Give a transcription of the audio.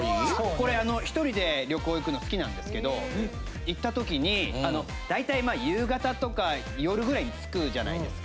これあの１人で旅行行くの好きなんですけど行った時に大体夕方とか夜ぐらいに着くじゃないですか。